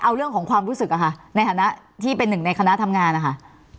เอาเรื่องของความรู้สึกอะค่ะในฐานะที่เป็นหนึ่งในคณะทำงานนะคะ